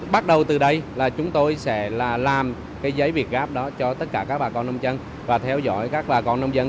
bắt đầu từ đây là chúng tôi sẽ làm cái giấy việt gáp đó cho tất cả các bà con nông dân và theo dõi các bà con nông dân